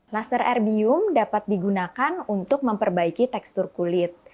laser erbium dapat digunakan untuk memperbaiki tekstur kulit